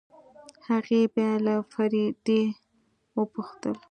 هغې بيا له فريدې وپوښتل.